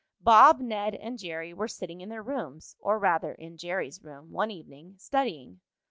Bob, Ned and Jerry were sitting in their rooms, or rather, in Jerry's room, one evening, studying.